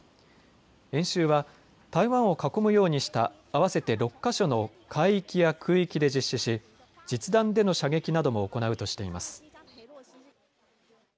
演習は台湾を囲むようにした合わせて６か所の海域や空域で実施し実弾での射撃なども行うとしています。